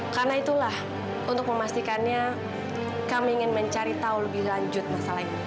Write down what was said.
karena itulah untuk memastikannya kami ingin mencari tahu lebih lanjut masalah ini